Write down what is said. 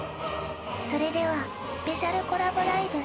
それではスペシャルコラボＬＩＶＥ